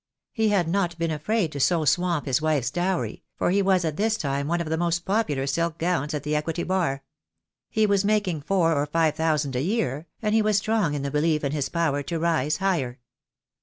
He had not been afraid so to swamp his wife's dowry, for he was at this time one of the most popular silk gowns at the equity Bar. He was making four or five thousand a year, and he was strong in the belief in his power to rise higher.